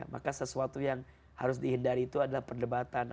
maka sesuatu yang harus dihindari itu adalah perdebatan